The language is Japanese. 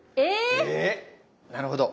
え⁉なるほど。